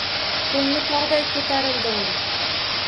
Ko‘ngli tog‘day ko‘tarildi uni.